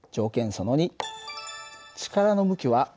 その２。